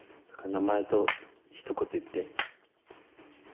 名前と一言言って。